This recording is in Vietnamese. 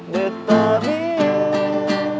để ta biết